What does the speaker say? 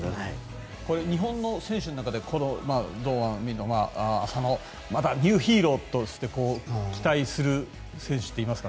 日本の選手の中で堂安、浅野などまたニューヒーローとして期待する選手っていますか？